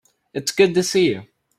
It's good to see you.